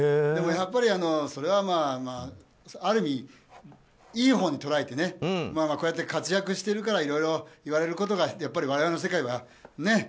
でもやっぱりそれはある意味、いいほうに捉えてこうやって活躍しているからいろいろ言われることが我々の世界はね。